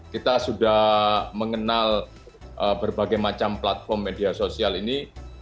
kita sudah mengenal berbagai macam platform media sosial ini